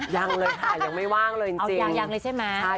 ยังเลยค่ะยังไม่ว่างเลยจริงหล่ะจ้ะเอายังเลยใช่ไหม